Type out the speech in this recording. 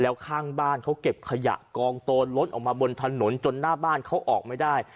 แล้วข้างบ้านเขาเก็บขยะกองโตนลดออกมาบนถนนจนหน้าบ้านเขาออกไม่ได้